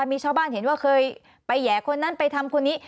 มีชาวบ้านเห็นว่าเคยไปแห่คนนั้นไปทำคนนี้